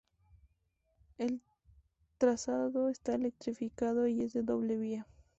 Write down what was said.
El trazado está electrificado y es de doble vía.